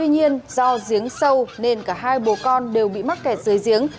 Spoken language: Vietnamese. tuy nhiên do giếng sâu nên cả hai bố con đều bị mắc kẹt dưới giếng